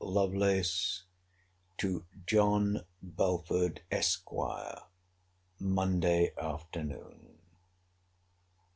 LOVELACE, TO JOHN BELFORD, ESQ. MONDAY AFTERNOON.